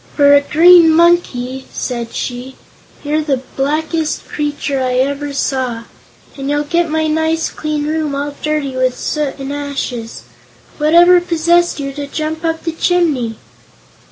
"For a Green Monkey," said she, "you're the blackest creature I ever saw. And you'll get my nice clean room all dirty with soot and ashes. Whatever possessed you to jump up the chimney?"